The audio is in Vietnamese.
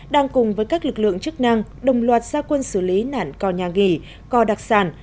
đang cùng với các lực lượng chức năng đồng loạt gia quân xử lý nạn co nhà nghỉ co đặc sản